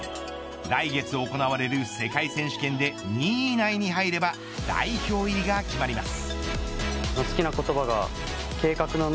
来月行われる世界選手権で２位以内に入れば代表入りが決まります。